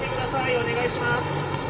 お願いします。